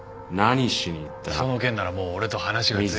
その件ならもう俺と話がついてる。